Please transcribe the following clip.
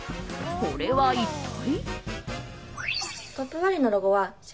これは一体？